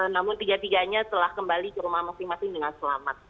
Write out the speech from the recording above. namun tiga tiganya telah kembali ke rumah masing masing dengan selamat